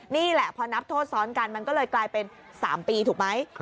นี่แหละพอนับโทษซ้อนกันมันก็เลยกลายเป็น๓ปีถูกไหม